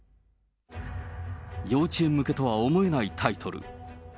幼稚園向けとは思えないタイトル。